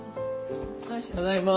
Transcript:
ただいま。